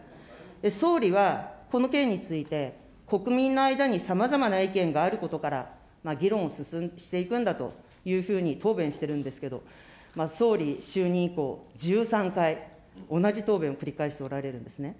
総理はこの件について、国民の間にさまざまな意見があることから、議論をしていくんだというふうに答弁してるんですけど、総理就任以降１３回、同じ答弁を繰り返されておられるんですね。